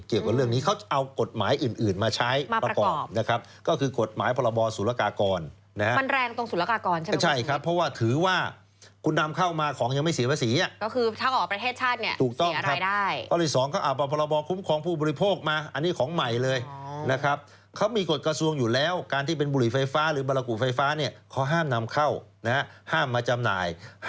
เกี่ยวกับเรื่องนี้เขาเอากฏหมายอื่นมาใช้